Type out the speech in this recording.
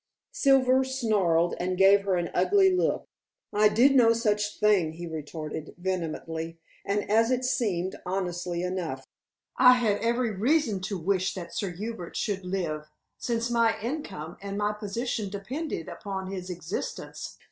Silver snarled and gave her an ugly look. "I did no such thing," he retorted vehemently, and, as it seemed, honestly enough. "I had every reason to wish that Sir Hubert should live, since my income and my position depended upon his existence.